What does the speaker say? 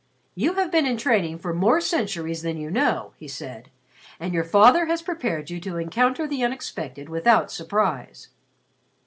"You have been in training for more centuries than you know," he said; "and your father has prepared you to encounter the unexpected without surprise."